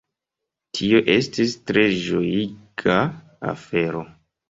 Tio estis tre ĝojiga afero.